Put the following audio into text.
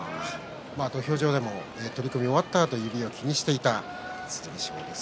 土俵上でも取組が終わった時気にしていた剣翔です。